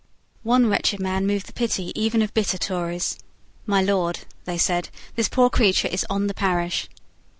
One wretched man moved the pity even of bitter Tories. "My Lord," they said, "this poor creature is on the parish."